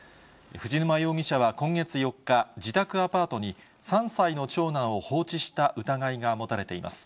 藤沼容疑者は今月４日、自宅アパートに３歳の長男を放置した疑いが持たれています。